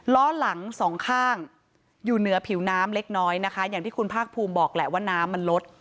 ล้อหลังสองข้างอยู่เหนือผิวน้ำเล็กน้อยนะคะอย่างที่คุณภาคภูมิบอกแหละว่าน้ำมันลด